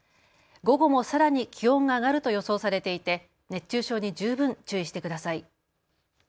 午後もさらに気温が上がると予想されていて熱中症に十分注意してください。